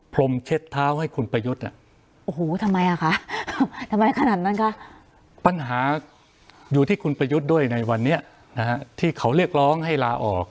ปัญหาอยู่ที่คุณประยุทธ์ด้วยในวันนี้นะฮะที่เขาเรียกร้องให้ลาออก